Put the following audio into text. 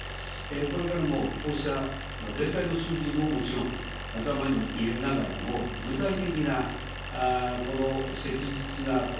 これからもこうした、全体の数字ももちろん、頭に入れながらも、具体的なこの切実な声、